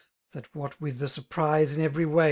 That what with the surprise in ev^ way.